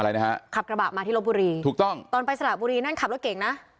อะไรนะฮะขับกระบะมาที่ลบบุรีถูกต้องตอนไปสระบุรีนั่นขับรถเก่งนะ